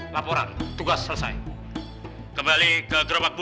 wa barokatan fil jasad